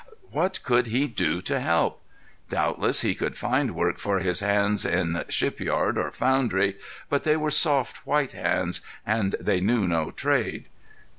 What could he do to help? Doubtless he could find work for his hands in ship yard or foundry, but they were soft, white hands, and they knew no trade.